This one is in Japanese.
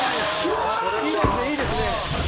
「いいですねいいですね！」